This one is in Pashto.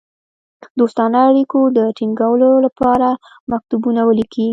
دوستانه اړېکو د تینګولو لپاره مکتوبونه ولیکي.